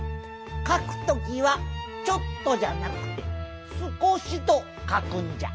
かくときは「ちょっと」じゃなくて「すこし」とかくんじゃ。